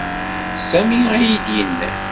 D Sami ay iyi-d-yennan.